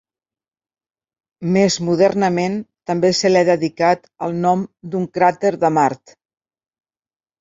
Més modernament, també se li ha dedicat el nom d'un cràter de Mart.